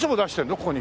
ここに。